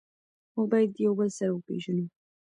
موږ باید یو بل سره وپیژنو.